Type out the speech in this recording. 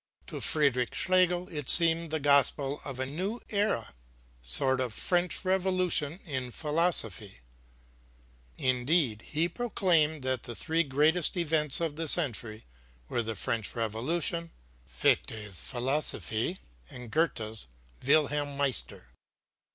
To Friedrich Schlegel it seemed the gospel of a new era sort of French Revolution in philosophy. Indeed he proclaimed that the three greatest events of the century were the French Revolution, Fichte's philosophy, and Goethe's Wilhelm Meister.